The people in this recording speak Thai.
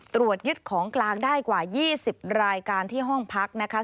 ตรวจยึดของกลางได้กว่า๒๐รายการที่ห้องพักนะคะ